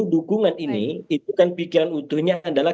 dukungan ini itu kan pikiran utuhnya adalah